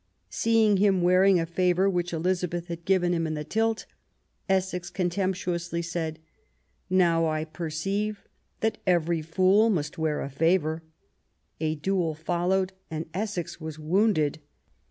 Seeing him wearing a favour which Elizabeth had given him in the tilt, Essex contemptuously said: Now I perceive that every fool must wear a favour ". A duel followed, and Essex was wounded.